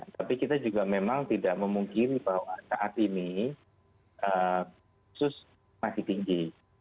tapi kita juga memang tidak memungkiri bahwa saat ini kasus masih tinggi